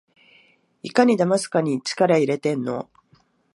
いかにだますかに力いれてんの？